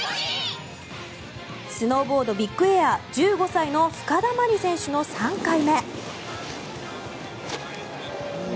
スノーボード、ビッグエア１５歳の深田茉莉選手の３回目。